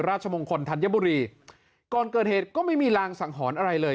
ราชมงคลธัญบุรีก่อนเกิดเหตุก็ไม่มีรางสังหรณ์อะไรเลย